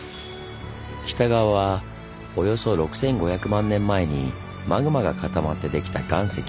北側はおよそ６５００万年前にマグマが固まってできた岩石。